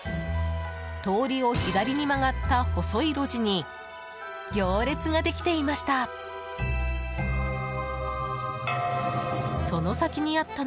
通りを左に曲がった細い路地に行列ができていました。